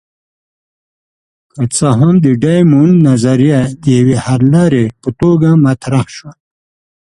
که څه هم د ډایمونډ نظریه د یوې حللارې په توګه مطرح شوه.